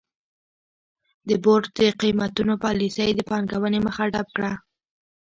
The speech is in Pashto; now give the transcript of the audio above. د بورډ د قېمتونو پالیسۍ د پانګونې مخه ډپ کړه.